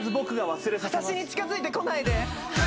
私に近づいてこないで。